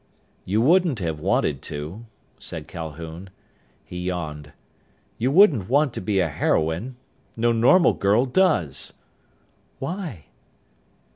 "You wouldn't have wanted to," said Calhoun. He yawned. "You wouldn't want to be a heroine. No normal girl does." "Why?"